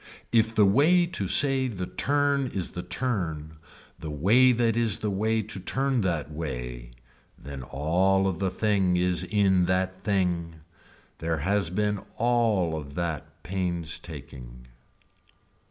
If the way to say the turn is the turn the way that is the way to turn that way then all of the thing is in that thing. There has been all of that painstaking.